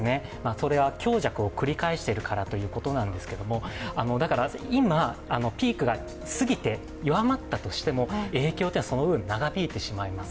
それは強弱を繰り返しているからということなんですけれどもだから今ピークが過ぎて弱まったとしても、影響というのはその分長引いてしまいます。